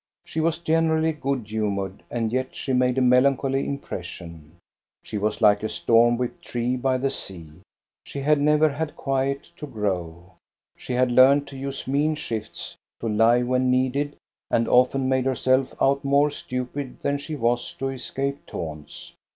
She was generally good humored, and yet she made a melancholy impression. She was like a 362 THE STORY OF GOSTA BERLING Storm whipped tree by the sea ; she had never had quiet to grow. She had learned to use mean shifts, to lie when needed, and often made herself out more stupid than she was to escape taunts.